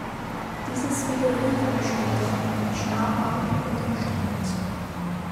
Dieses widerrief er später, starb aber über dem Streit.